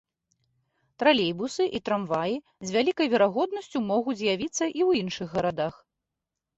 Тралейбусы і трамваі з вялікай верагоднасцю могуць з'явіцца і ў іншых гарадах.